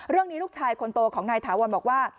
เรื่องนี้ลูกชายคนโตของนายถาวรบอกว่า